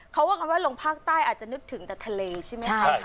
เขาว่าลงภาคใต้อาจจะนึกถึงแต่ทะเลใช่ไหมคะใช่